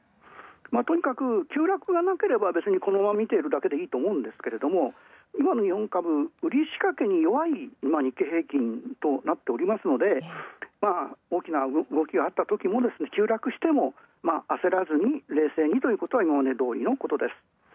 とにかく急落がなければ別にこのままみているだけでいいと思うが今の日本株、うりしかけに弱い日経平均株価となっているので、大きな動きがあったときも急落してもあせらずに、冷静にということは今までどおりのこと。